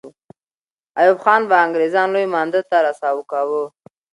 ایوب خان به انګریزان لوی مانده ته را سوه کاوه.